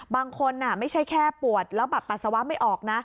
บางคนไม่ใช่แค่ปวดแล้วแบบปัสสาวะไม่ออกนะ